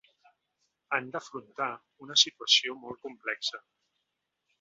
Han d’afrontar una situació molt complexa.